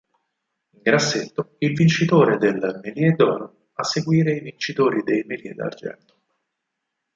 In grassetto il vincitore del Méliès d'oro, a seguire i vincitori dei Méliès d'argento.